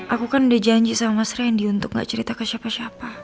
aku kan udah janji sama mas randy untuk gak cerita ke siapa siapa